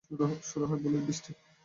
শুরু হয়ে বুলেট-বৃষ্টি।